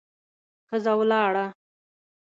ښځه ولاړه.